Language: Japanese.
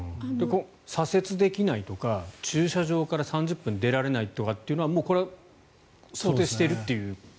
左折できないとか駐車場から３０分出られないというのはもうこれは想定しているっていう。